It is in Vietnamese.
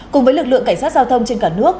cùng với lực lượng cảnh sát giao thông trên cả nước